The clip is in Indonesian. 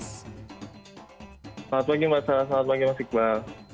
selamat pagi mas iqbal